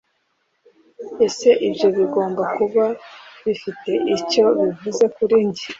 Ese ibyo bigomba kuba bifite icyo bivuze kuri njye?